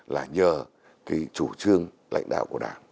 là nhờ cái chủ trương lãnh đạo của đảng